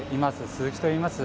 鈴木といいます。